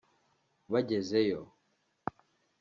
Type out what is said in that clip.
Bagezeyo